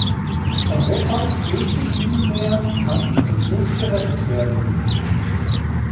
Europas größtes Binnenmeer kann und muss gerettet werden.